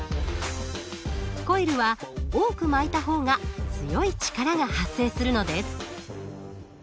コイルは多く巻いた方が強い力が発生するのです。